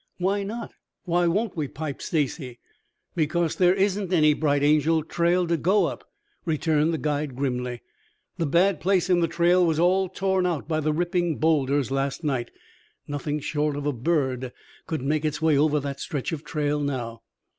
"Why not? Why won't we?" piped Stacy. "Because there isn't any Bright Angel Trail to go up," returned the guide grimly. "The bad place in the trail was all torn out by the ripping boulders last night. Nothing short of a bird could make its way over that stretch of trail now."